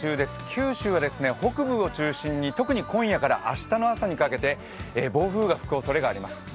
九州は北部を中心に特に今夜から明日の朝にかけて暴風が吹くおそれがあります。